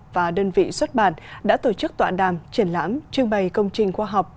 và đơn vị xuất bản đã tổ chức tọa đàm triển lãm trưng bày công trình khoa học